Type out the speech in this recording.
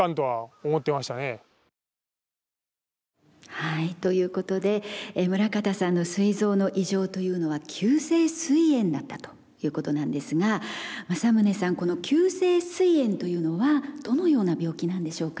はいということで村方さんのすい臓の異常というのは急性すい炎だったということなんですが正宗さんこの急性すい炎というのはどのような病気なんでしょうか。